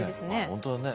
本当だね。